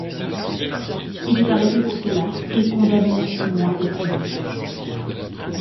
Il est arrêté pour cela et condamné à six mois de prison.